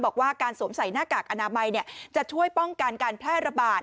บอกว่าการสวมใส่หน้ากากอนามัยจะช่วยป้องกันการแพร่ระบาด